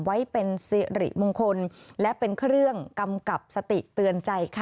ไว้เป็นสิริมงคลและเป็นเครื่องกำกับสติเตือนใจค่ะ